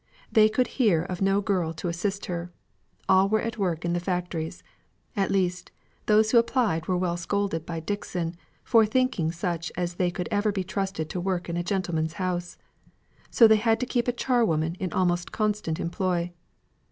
They could hear of no girl to assist her; all were at work in the factories; at least, those who applied were well scolded by Dixon, for thinking that such as they could ever be trusted to work in a gentleman's house. So they had to keep a charwoman in almost constant employ.